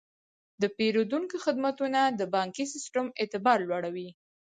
د پیرودونکو خدمتونه د بانکي سیستم اعتبار لوړوي.